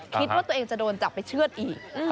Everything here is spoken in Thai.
คิดว่าตัวเองจะโดนจับไปเชื่อดอีก